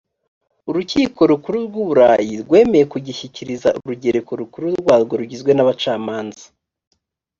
urukiko rw ‘u burayi rwemeye kugishyikiriza urugereko rukuru rwarwo rugizwe n’ abacamanza.